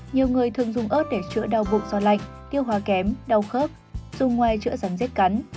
nhiều người thường dùng ớt để chữa đau bụng do lạnh tiêu hóa kém đau khớp dùng ngoài chữa rắn rết cắn